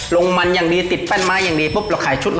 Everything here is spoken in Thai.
ลงมันอย่างดีติดแป้นไม้อย่างดีเราขายชุดละ๕๐๐